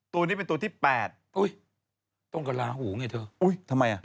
ตัวนี้เป็นตัวที่แปดอุ้ยตรงกับลาหูไงเธออุ้ยทำไมอ่ะ